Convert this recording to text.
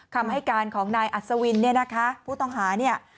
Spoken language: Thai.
คำให้การของนายอัศวินผู้ต้องหา